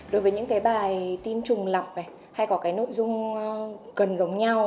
nếu có những thông tin trùng lọc hay có nội dung gần giống nhau